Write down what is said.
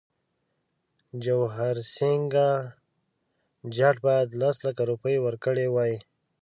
جواهرسینګه جاټ باید لس لکه روپۍ ورکړي وای.